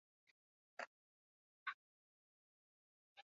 Ikerketa sekretupean dago, aipatutako iturriaren arabera.